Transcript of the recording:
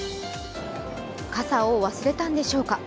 傘を忘れたんでしょうか。